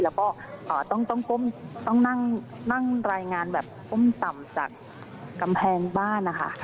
แล้วก็ต้องนั่งรายงานแบบก้มต่ำจากกำแพงบ้านนะคะ